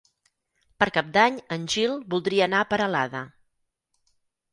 Per Cap d'Any en Gil voldria anar a Peralada.